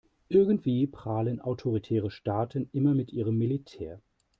Irgendwie prahlen autoritäre Staaten immer mit ihrem Militär.